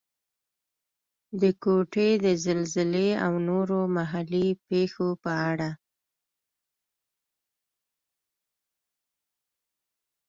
د کوټې د زلزلې او نورو محلي پېښو په اړه.